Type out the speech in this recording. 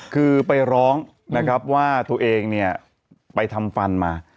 คือไปร้องว่าตัวเองไปทำฟันมา